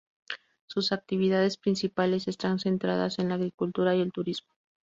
Su actividades principales están centradas en la agricultura y el turismo.